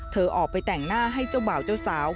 เธอออกไปแต่งหน้าให้เจ้าบ่าวเจ้าสาว